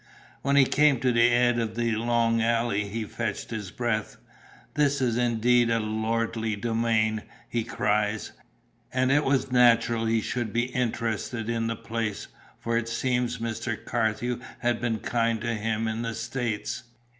When he came to the 'ead of the long alley, he fetched his breath. 'This is indeed a lordly domain!' he cries. And it was natural he should be interested in the place, for it seems Mr. Carthew had been kind to him in the States.